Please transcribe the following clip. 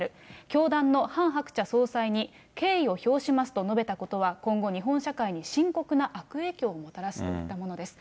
教団のハン・ハクチャ総裁に敬意を表しますと述べたことは、今後、日本社会に深刻な悪影響をもたらすといったものです。